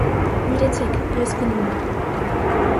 - Ներեցեք, ես գնում եմ: